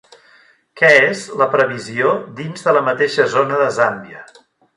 Què és la previsió dins de la mateixa zona de Zàmbia